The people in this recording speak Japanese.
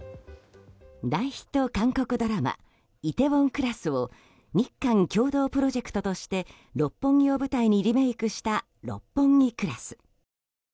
大ヒット韓国ドラマ「梨泰院クラス」を日韓共同プロジェクトとして六本木を舞台にリメイクした「六本木クラス」。